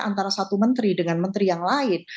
antara satu menteri dengan menteri yang lain